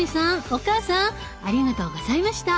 お母さんありがとうございました！